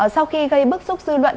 sau khi gây bức xúc dư luận